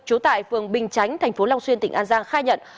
trú tại phường bình chánh tp long xuyên tỉnh an giang khai nhận